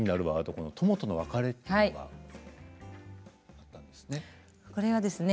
この「友との別れ」というのがあったんですね。